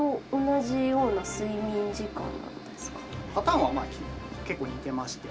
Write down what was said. パターンは結構似てまして。